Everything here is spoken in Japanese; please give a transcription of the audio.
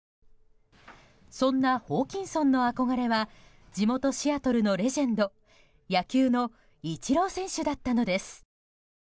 そんなホーキンソンの憧れは地元シアトルのレジェンド野球のイチロー選手だったのです。